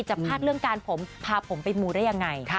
พลาดเรื่องการผมพาผมไปมูได้ยังไง